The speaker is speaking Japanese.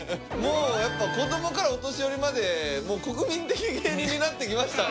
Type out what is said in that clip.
子どもからお年寄りまで国民的芸人になってきました。